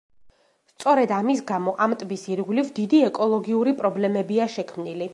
სწორედ ამის გამო, ამ ტბის ირგვლივ დიდი ეკოლოგიური პრობლემებია შექმნილი.